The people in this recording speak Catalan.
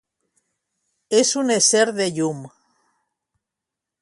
És un Ésser de llum